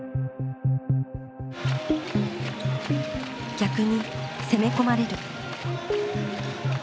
逆に攻め込まれる。